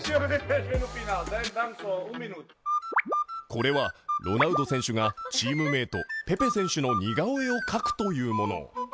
これは、ロナウド選手がチームメートペペ選手の似顔絵を描くというもの。